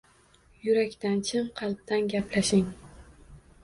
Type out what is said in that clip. Yurakdan, chin qalbdan suhbatlashing.